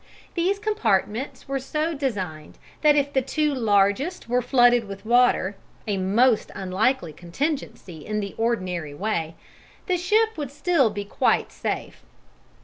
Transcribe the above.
These compartments were so designed that if the two largest were flooded with water a most unlikely contingency in the ordinary way the ship would still be quite safe.